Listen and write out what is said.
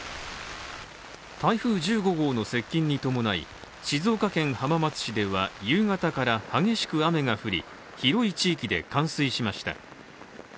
台風１５号の接近に伴い静岡県浜松市では夕方から激しく雨が降り広い地域で冠水しました。